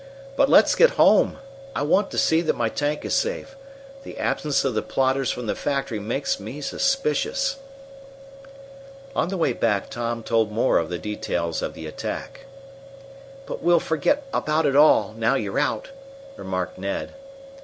But let's get home. I want to see that my tank is safe. The absence of the plotters from the factory makes me suspicious." On the way back Tom told more of the details of the attack. "But we'll forget about it all, now you're out," remarked Ned.